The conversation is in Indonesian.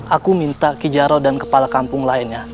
aku minta kijaro dan kepala kampung lainnya